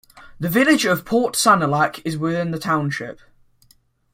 The village of Port Sanilac is within the township.